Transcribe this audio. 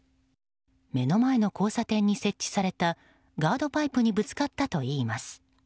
目の前の交差点に設置されたガードパイプにぶつかったといいます。